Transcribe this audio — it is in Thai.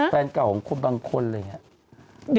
แฟนเก่าของคุณบางคนอะไรอย่างนี้